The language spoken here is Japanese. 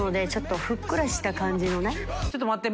ちょっと待って！